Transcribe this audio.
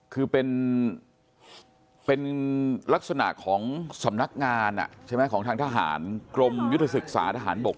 คือเป็นลักษณะของสำนักงานใช่ไหมของทางทหารกรมยุทธศึกษาทหารบก